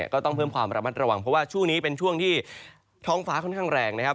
ก็ต้องเพิ่มความระมัดระวังเพราะว่าช่วงนี้เป็นช่วงที่ท้องฟ้าค่อนข้างแรงนะครับ